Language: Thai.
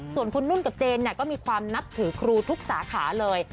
ส่วนคุณนุ่นกับเจนก็มีความนับถือครูทุกสาขาเลย